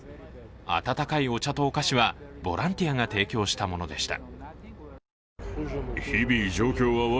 温かいお茶とお菓子はボランティアが提供したものでした。